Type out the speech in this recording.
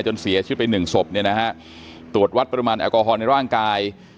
เสียชีวิตไปหนึ่งศพเนี่ยนะฮะตรวจวัดปริมาณแอลกอฮอลในร่างกาย